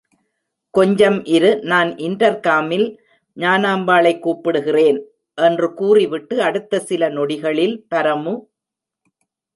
கொஞ்சம் இரு, நான் இன்டர்காமில் ஞானாம்பாளைக் கூப்பிடுகிறேன். என்று கூறி விட்டு அடுத்த சில நொடிகளில் பரமு!